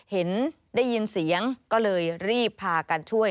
ได้ยินเสียงก็เลยรีบพากันช่วย